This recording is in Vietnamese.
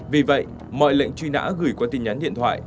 vì vậy mọi lệnh truy nã gửi qua tin nhắn điện thoại